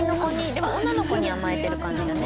でも女の子に甘えてる感じだね。